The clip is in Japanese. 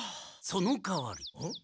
そのかわり。